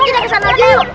kita kesana aja yuk